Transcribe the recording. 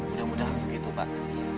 mudah mudahan begitu pak